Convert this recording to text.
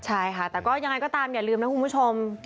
ใช่ค่ะแต่ก็ยังไงก็ตามอย่าลืมนะคุณผู้ชม